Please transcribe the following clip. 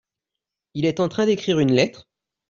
Il est en train d'écrire une lettre ?